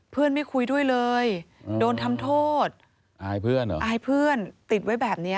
คนก็เลยวิจารณ์กันหนักเลยว่าที่ครูทำแบบนี้